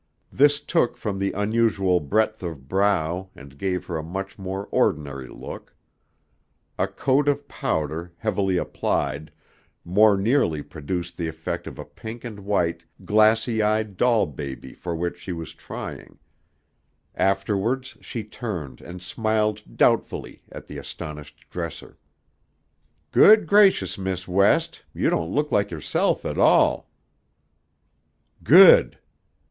This took from the unusual breadth of brow and gave her a much more ordinary look. A coat of powder, heavily applied, more nearly produced the effect of a pink and white, glassy eyed doll baby for which she was trying. Afterwards she turned and smiled doubtfully at the astonished dresser. "Good gracious, Miss West! You don't look like yourself at all!" "Good!"